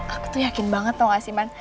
aku tuh yakin banget tau gak sih mas